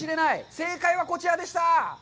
正解はこちらでした。